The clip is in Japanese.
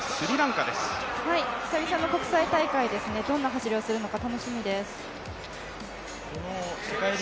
久々の国際大会でどんな走りをするのか楽しみです。